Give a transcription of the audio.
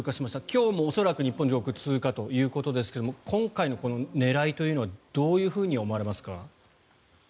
今日も恐らく日本上空を通過ということですが今回の狙いというのはどういうふうに思われますか。